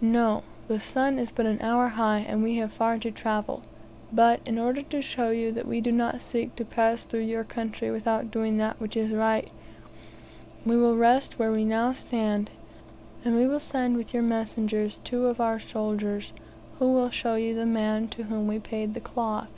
"No; the sun is but an hour high, and we have far to travel; but, in order to show you we do not seek to pass through your country without doing that which is right, we will rest where we now stand, and we will send with your messengers two of our soldiers, who will show you the man to whom we paid the cloth."